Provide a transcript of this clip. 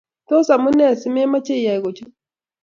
tos amunee si memache iyai kuchot